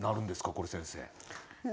これ先生。